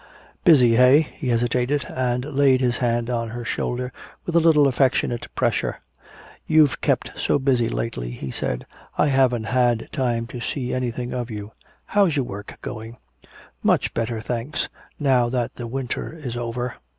"Busy, eh?" He hesitated, and laid his hand on her shoulder with a little affectionate pressure. "You've kept so busy lately," he said, "I haven't had time to see anything of you. How's your work going?" "Much better, thanks now that the winter is over."